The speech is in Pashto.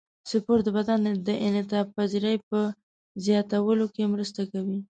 سپورت د بدن د انعطاف پذیرۍ په زیاتولو کې مرسته کوي.